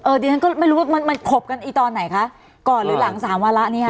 เออเดี๋ยวนั้นก็ไม่รู้ว่ามันขบกันอีกตอนไหนคะก่อนหรือหลัง๓วาระนี้